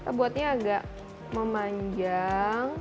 kita buatnya agak memanjang